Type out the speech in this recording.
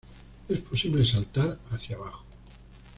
Es posible saltar hacia abajo.